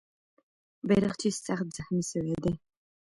بیرغچی سخت زخمي سوی دی.